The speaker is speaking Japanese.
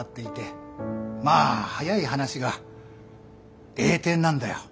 まあ早い話が栄転なんだよ。